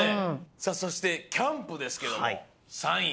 さあそしてキャンプですけども３い。